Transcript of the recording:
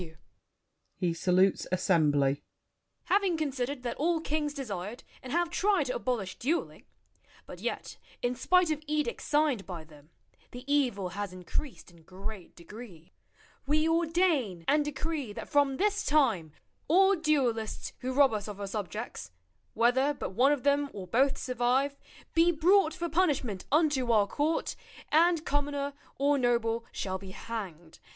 [He salutes assembly. Having considered that all kings desired And have tried to abolish dueling, But yet, in spite of edicts signed by them, The evil has increased in great degree, We ordain and decree that from this time All duelists who rob us of our subjects, Whether but one of them or both survive, Be brought for punishment unto our court, And commoner or noble shall be hanged.